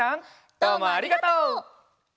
どうもありがとう！